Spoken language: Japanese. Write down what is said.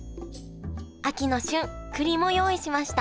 秋の旬くりも用意しました